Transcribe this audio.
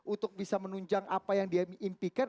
untuk bisa menunjang apa yang dia impikan